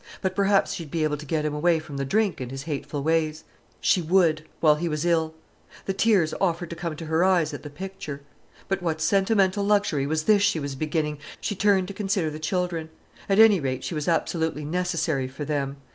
—but perhaps she'd be able to get him away from the drink and his hateful ways. She would—while he was ill. The tears offered to come to her eyes at the picture. But what sentimental luxury was this she was beginning?—She turned to consider the children. At any rate she was absolutely necessary for them.